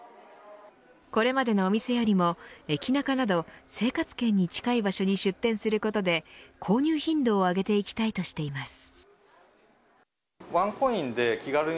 これまでのお店よりも駅ナカなど生活圏に近い場所に出店することで購入頻度を上げていきたいとしています。